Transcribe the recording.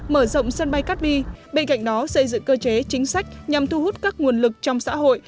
mở rộng sân bay cát bi bên cạnh đó xây dựng cơ chế chính sách nhằm thu hút các nguồn lực trong xã hội